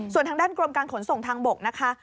ส่วนทางด้านกรมการขนส่งทางบกนะคะ